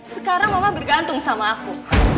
sekarang mama bergantung sama aku